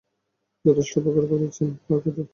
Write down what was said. যথেষ্ট উপকার করেছেন, আর কত?